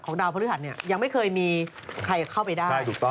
ของดาวพฤหัสเนี่ยยังไม่เคยมีใครเข้าไปได้